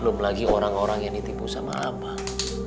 belum lagi orang orang yang ditipu sama abang